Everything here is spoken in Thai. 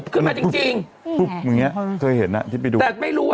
เกิดมาจริง